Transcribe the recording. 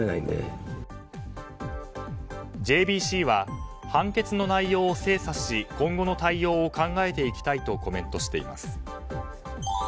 ＪＢＣは判決の内容を精査し今後の対応を考えていきたいとコメントしています。